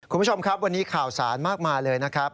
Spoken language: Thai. คุณผู้ชมครับวันนี้ข่าวสารมากมายเลยนะครับ